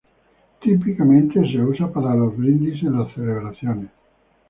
Típicamente se usa para los brindis en las celebraciones.